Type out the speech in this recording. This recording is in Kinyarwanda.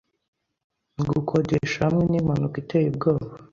Gukodesha hamwe nimpanuka iteye ubwoba